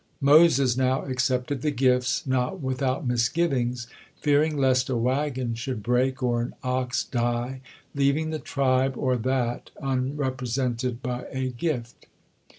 Moses now accepted the gifts, not without misgivings, fearing lest a wagon should break, or an ox die, leaving the tribe or that unrepresented by a gift.